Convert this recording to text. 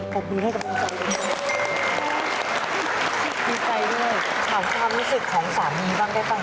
พี่ไก่เมื่อไหนภารกาลรู้สึกของสามีบ้างได้ป่ะ